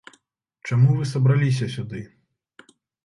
Чаму вы сабраліся сюды?